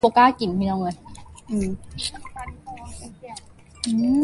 The pseudo-bridegroom is apparently the bride in masculine attire.